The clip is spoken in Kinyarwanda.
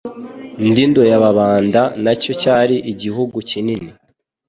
Nduga y'Ababanda nacyo cyari igihugu kinini